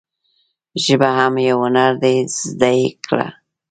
ژبه هم یو هنر دي زده یی کړه.